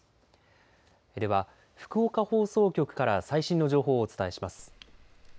では、福岡放送局から最新の情報をお伝えします。